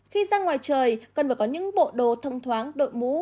khi ra ngoài trời cần phải có những bộ đồ thông thoáng đội mũ